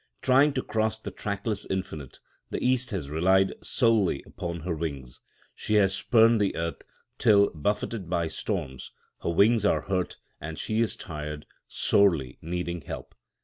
Trying to cross the trackless infinite, the East has relied solely upon her wings. She has spurned the earth, till, buffeted by storms, her wings are hurt and she is tired, sorely needing help.